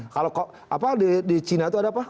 kalau di china itu ada apa